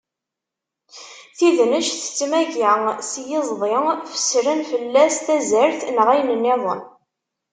Tidnect tettmaga s yiẓdi, fessren fell-as tazart neɣ ayen nniḍen.